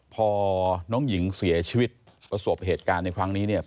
พอน้องหญิงเสียชีวิตประสบเหตุการณ์ในครั้งนี้เนี่ย